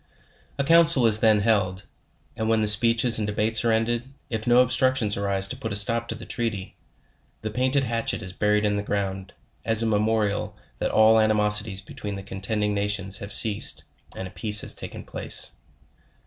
A council is then held; and when the speeches and debates are ended, if no obstructions arise to put a stop to the trea ty, the painted hatchet is buried in the ground, as a memo rial that all animosities between the contending nations have ceased, and a peace taken place.